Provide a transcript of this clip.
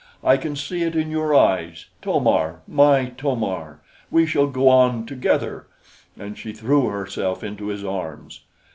I can see it in your eyes, To mar, my To mar! We shall go on together!" And she threw herself into his arms.